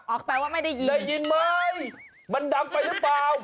แปลว่าไม่ได้ยินได้ยินไหมมันดังไปหรือเปล่า